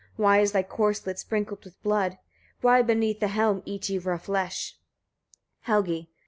Why is thy corslet sprinkled with blood? Why beneath the helm eat ye raw flesh? Helgi.